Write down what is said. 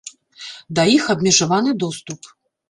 Да іх абмежаваны доступ.